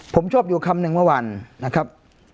ผมชอบอยู่คำหนึ่งเมื่อวานนะครับ